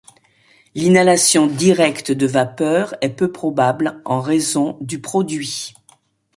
L'inhalation directe de vapeur est peu probable en raison de du produit.